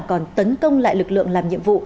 còn tấn công lại lực lượng làm nhiệm vụ